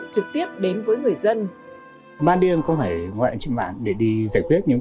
trực tiếp đến với người dân